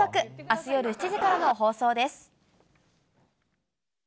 あす夜７時からの放送です。